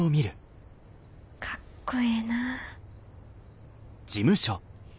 かっこええなあ。